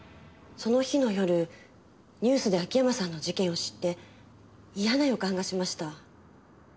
その日の夜ニュースで秋山さんの事件を知って嫌な予感がしました。